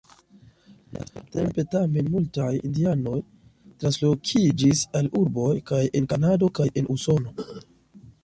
Lastatempe tamen multaj indianoj translokiĝis al urboj, kaj en Kanado, kaj en Usono.